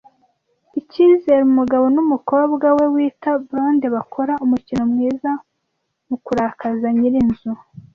Icyizere umugabo numukobwa we wita blonde bakora umukino mwiza mukurakaza nyirinzu.